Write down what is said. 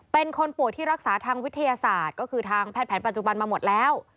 เป็นคนป่วยที่รักษาทางวิทยาศาสตร์ก็คือทางแพทย์แผนปัจจุบันมาหมดแล้ว